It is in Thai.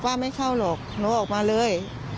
ไม่เข้าหรอกหนูออกมาเลย